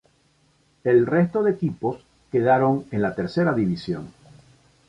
El resto de equipos quedaron en la Tercera división.